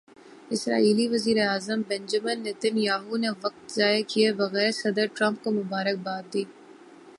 اسرائیلی وزیر اعظم Benjamin Nitin Yahoo نے وقت ضائع کیے بغیر صدر ٹرمپ کو مبارک باد دی۔